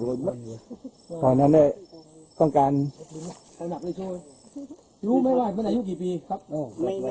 รู้ไหมว่าเมื่อในอยู่กี่ปีครับ